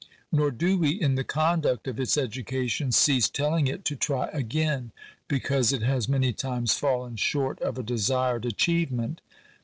Nor do we, in the conduct of its education, cease telling it to " try again," because it has many times fallen short of a desired achieve ment.